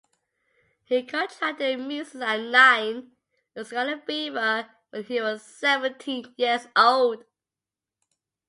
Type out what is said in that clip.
He contracted measles at nine, and scarlet fever when he was seventeen years old.